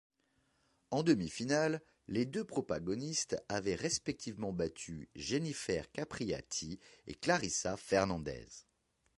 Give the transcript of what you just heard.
En demi-finale, les deux protagonistes avaient respectivement battu Jennifer Capriati et Clarisa Fernández.